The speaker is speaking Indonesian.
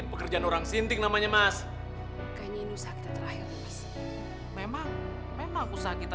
ini pekerjaan orang sintik namanya mas kayaknya ini usaha kita terakhir memang memang usaha kita